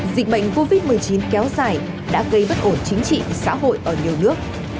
dịch bệnh covid một mươi chín kéo dài đã gây bất ổn chính trị xã hội ở nhiều nước